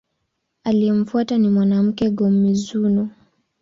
Aliyemfuata ni mwana wake, Go-Mizunoo.